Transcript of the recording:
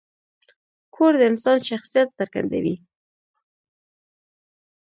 کور د انسان شخصیت څرګندوي.